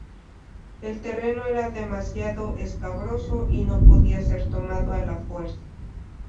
El terreno era demasiado escabroso, y no podía ser tomado a la fuerza.